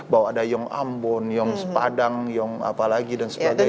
bahwa ada yang ambon yang padang yang apa lagi dan sebagainya